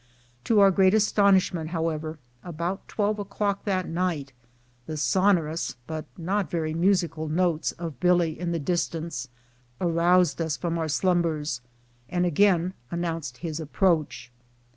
To our great astonish ment, however, about twelve o'clock that night the sonor ous but not very musical notes of Billy in the distance aroused us from our slumbers, and again announced his ap proach.